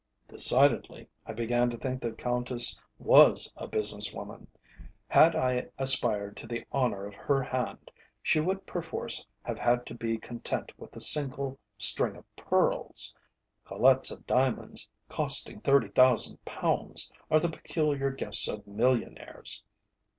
Decidedly I began to think the Countess was a business woman. Had I aspired to the honour of her hand, she would perforce have had to be content with a single string of pearls. Collets of diamonds, costing thirty thousand pounds, are the peculiar gifts of millionaires.